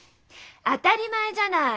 当たり前じゃない！